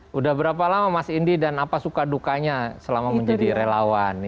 sudah berapa lama mas indi dan apa suka dukanya selama menjadi relawan